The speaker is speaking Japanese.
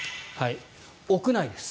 屋内です。